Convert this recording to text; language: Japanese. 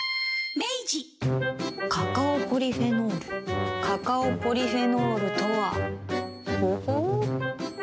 カカオポリフェノールカカオポリフェノールとはほほう。